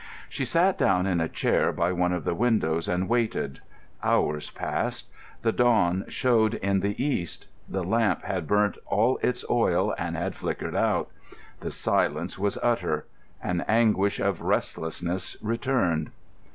She sat down in a chair by one of the windows and waited. Hours passed; the dawn showed in the east; the lamp had burnt all its oil, and had flickered out. The silence was utter. An anguish of restlessness returned.